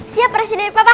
siap presiden papa